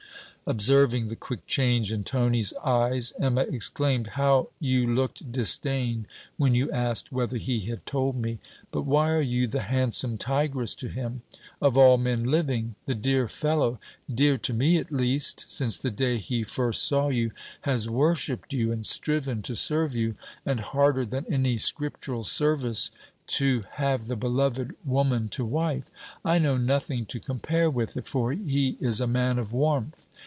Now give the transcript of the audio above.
Observing the quick change in Tony's eyes, Emma exclaimed: 'How you looked disdain when you asked whether he had told me! But why are you the handsome tigress to him, of all men living! The dear fellow, dear to me at least! since the day he first saw you, has worshipped you and striven to serve you: and harder than any Scriptural service to have the beloved woman to wife. I know nothing to compare with it, for he is a man of warmth.